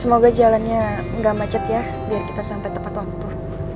semoga jalannya nggak macet ya biar kita sampai tepat waktu